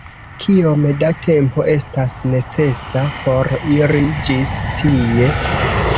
Kiom da tempo estas necesa por iri ĝis tie?